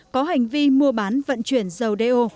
có hành vi mua bán vận chuyển dầu do